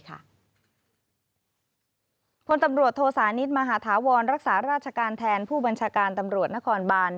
คนตำรวจโทสานิทมหาธาวรรักษาราชการแทนผู้บัญชาการตำรวจนครบาน